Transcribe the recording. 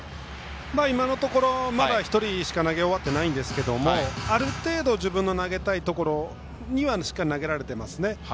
今のところまだ１人しか投げ終わっていないんですけどある程度自分の投げたいところにはしっかり投げられていますね。